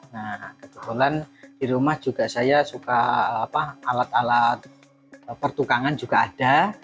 nah kebetulan di rumah juga saya suka alat alat pertukangan juga ada